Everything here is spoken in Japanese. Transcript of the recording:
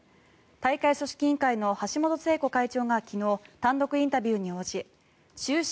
大会組織委員会の橋本聖子会長が昨日単独インタビューに応じ中止